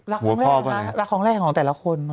ลักของแรกของแต่ละคน